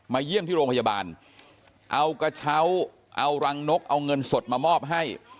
เยี่ยมที่โรงพยาบาลเอากระเช้าเอารังนกเอาเงินสดมามอบให้